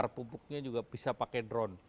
pupuknya juga bisa pakai drone